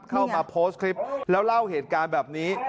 เข้ามาโพสต์คลิปแล้วเล่าเหตุการณ์แบบนี้